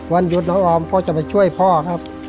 วันหยุดน้องออมก็จะไปช่วยพ่อครับ